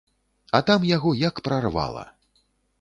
А там яго як прарвала.